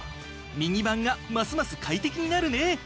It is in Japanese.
ミニバンがますます快適になるね！